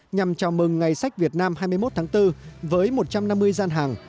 nhằm chào mừng ngày sách việt nam hai mươi một tháng bốn với một trăm năm mươi gian hàng